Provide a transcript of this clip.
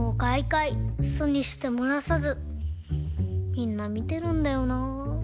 みんなみてるんだよなぁ。